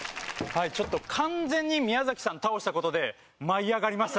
ちょっと完全に宮崎さん倒した事で。